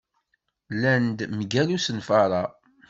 Llan-d mgal usenfar-a.